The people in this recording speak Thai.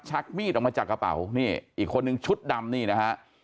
ชักมีดออกมาจากกระเป๋านี่อีกคนนึงชุดดำนี่นะฮะ